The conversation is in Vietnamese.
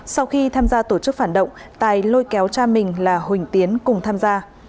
sau khi tham gia tổ chức phản động tài lôi kéo cha mình là huỳnh tiến cùng tham gia